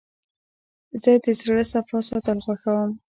زه د زړه صفا ساتل خوښوم.